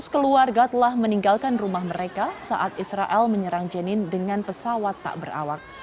dua ratus keluarga telah meninggalkan rumah mereka saat israel menyerang jenin dengan pesawat tak berawak